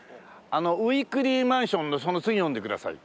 あの「ウィークリーマンション」のその次読んでください。